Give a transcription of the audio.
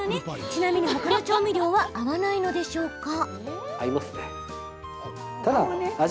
ちなみにほかの調味料は合わないのでしょうか？